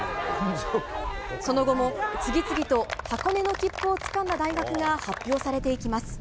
その後も次々と箱根の切符をつかんだ大学が発表されていきます。